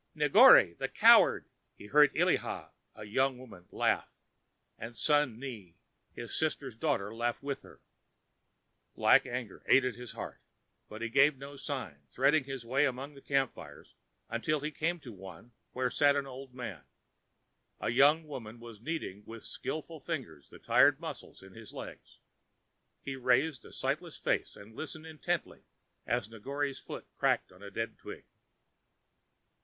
"Negore, the Coward," he heard Illiha, a young woman, laugh, and Sun ne, his sister's daughter, laughed with her. Black anger ate at his heart; but he gave no sign, threading his way among the camp fires until he came to one where sat an old man. A young woman was kneading with skilful fingers the tired muscles of his legs. He raised a sightless face and listened intently as Negore's foot crackled a dead twig.